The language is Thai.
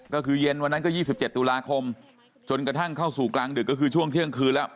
ก็คือเย็นวันนั้นก็๒๗ตุลาคมจนกระทั่งเข้าสู่กลางดึกก็คือช่วงเที่ยงคืนแล้ว